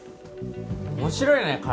面白いね彼。